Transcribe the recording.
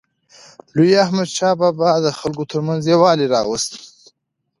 لوی احمدشاه بابا د خلکو ترمنځ یووالی راوست.